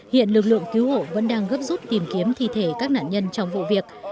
hiện lực lượng cứu hộ vẫn đang gấp rút tìm kiếm thi thể các nạn nhân trong vụ việc